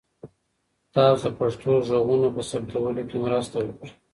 تاسو د پښتو ږغونو په ثبتولو کې مرسته وکړئ.